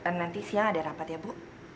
nanti siang ada rapat ya bu